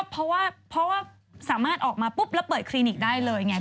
เพราะว่าสามารถออกมาปุ๊บแล้วเปิดคลินิกได้เลยไง